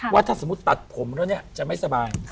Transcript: ว่าถ้าสมมุติตัดผมแล้วเนี่ยจะไม่สบาย